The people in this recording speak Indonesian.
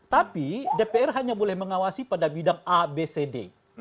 tapi dpr hanya boleh mengawasi pada bidang abcd